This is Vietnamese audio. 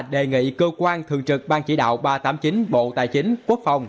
đề nghị cơ quan thường trực ban chỉ đạo ba trăm tám mươi chín bộ tài chính quốc phòng